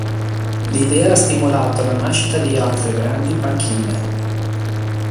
L'idea ha stimolato la nascita di altre grandi panchine.